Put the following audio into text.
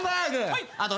はい。